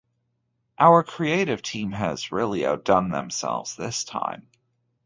Our creative team has really outdone themselves this time.